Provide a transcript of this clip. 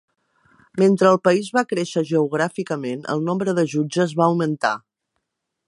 Mentre el país va créixer geogràficament, el nombre de jutges va augmentar.